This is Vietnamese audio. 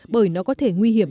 bởi nó có thể nguy hiểm